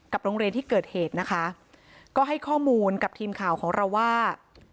โรงเรียนที่เกิดเหตุนะคะก็ให้ข้อมูลกับทีมข่าวของเราว่า